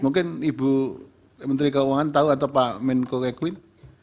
mungkin ibu menteri keuangan tahu atau pak menko equine